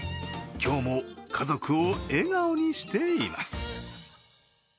今日も家族を笑顔にしています。